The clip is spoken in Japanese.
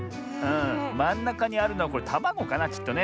まんなかにあるのはたまごかなきっとね。